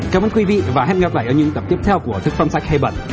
cảm ơn quý vị và hẹn gặp lại ở những tập tiếp theo của thức phân sách hay bật